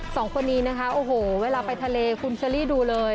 สองคนนี้นะคะโอ้โหเวลาไปทะเลคุณเชอรี่ดูเลย